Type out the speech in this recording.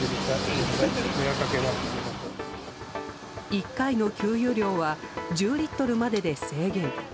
１回の給油量は１０リットルまでで制限。